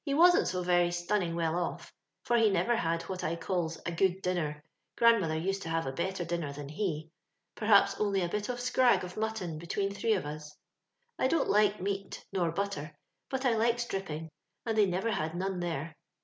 He wasn't so very stunning well o^ for he never had what I calls a good dirmer — grandmother used to have a better dinner than he, — per haps only a bit of scrag of mutton between three of us. I don't like meat nor butter, but I Ukes dripping, and they never had none there.